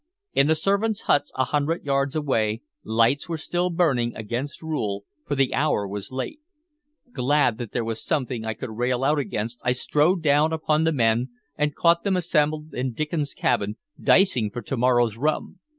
In the servants' huts, a hundred yards away, lights were still burning, against rule, for the hour was late. Glad that there was something I could rail out against, I strode down upon the men, and caught them assembled in Diccon's cabin, dicing for to morrow's rum.